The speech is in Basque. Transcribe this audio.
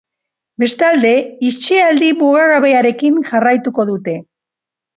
Bestalde, itxialdi mugagabearekin jarraituko dute.